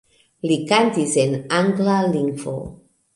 Li kantis en angla lingvo.